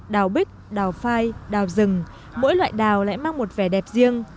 đào bích đào phai đào rừng mỗi loại đào lại mang một vẻ đẹp riêng